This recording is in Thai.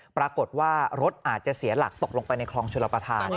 ปรากฏว่ารถอาจจะเสียหลักตกลงไปในคลองชลประธาน